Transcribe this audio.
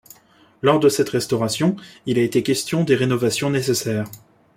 Lors de cette restauration, il a été question des rénovations nécessaires.